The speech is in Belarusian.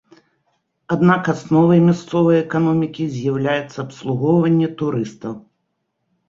Аднак асновай мясцовай эканомікі з'яўляецца абслугоўванне турыстаў.